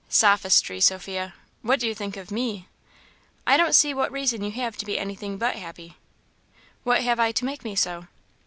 "Sophistry, Sophia. What do you think of me?" "I don't see what reason you have to be anything but happy." "What have I to make me so?"